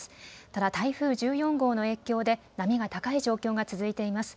ただ台風１４号の影響で波が高い状況が続いています。